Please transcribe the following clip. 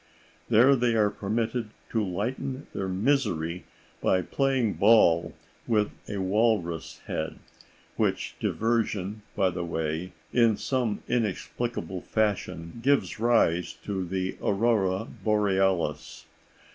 There they are permitted to lighten their misery by playing ball with a walrus head, which diversion, by the way, in some inexplicable fashion, gives rise to the aurora borealis.